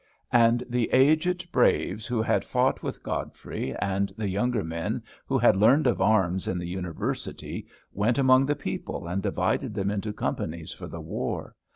And the aged braves who had fought with Godfrey, and the younger men who had learned of arms in the University, went among the people and divided them into companies for the war.